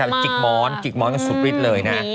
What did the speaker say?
เยอะมากจิกม้อนจิกม้อนก็สุดฤทธิ์เลยนะ